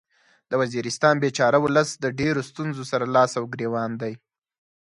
د وزیرستان بیچاره ولس د ډیرو ستونځو سره لاس او ګریوان دی